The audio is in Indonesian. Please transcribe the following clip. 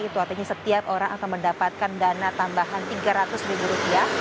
itu artinya setiap orang akan mendapatkan dana tambahan tiga ratus ribu rupiah